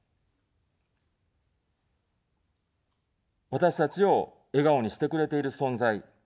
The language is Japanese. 私たちを笑顔にしてくれている存在。